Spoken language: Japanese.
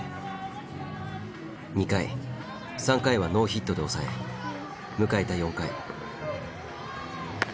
２回３回はノーヒットで抑え迎えた４回。